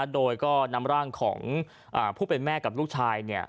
โดยก็นำร่างของผู้เป็นแม่กับลูกชาย